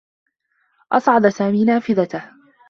أصعد سامي نافذته.